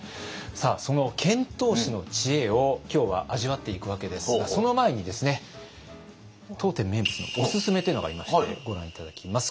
その遣唐使の知恵を今日は味わっていくわけですがその前にですね当店名物のおすすめというのがありましてご覧頂きます